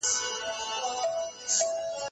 یووالی د بریا کیلي ده.